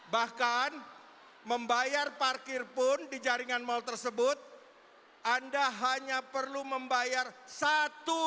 bahkan membayar parkir pun di jaringan mal tersebut anda hanya perlu membayar satu